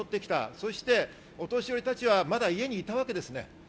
そしてお年寄りたちはまだ家にいたわけです。